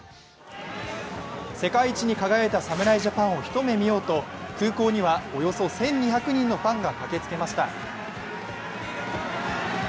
世界一に輝いた侍ジャパンを一目見ようと空港にはおよそ１２００人のファンが駆けつけました。